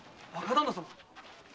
旦那様！